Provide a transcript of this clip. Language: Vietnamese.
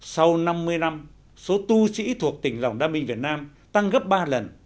sau năm mươi năm số tu sĩ thuộc tỉnh dòng đa minh việt nam tăng gấp ba lần